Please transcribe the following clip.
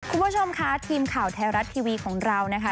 คุณผู้ชมค่ะทีมข่าวไทยรัฐทีวีของเรานะคะ